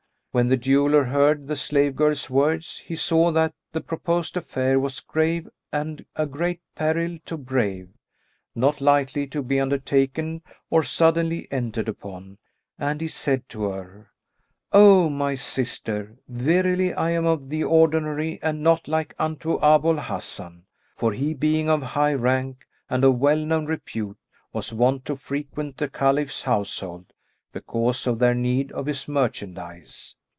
When the jeweller heard the slave girl's words, he saw that the proposed affair was grave and a great peril to brave, not lightly to be undertaken or suddenly entered upon, and he said to her, "O my sister, verily, I am of the ordinary and not like unto Abu al Hasan; for he being of high rank and of well known repute, was wont to frequent the Caliph's household, because of their need of his merchandise.